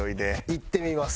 いってみます。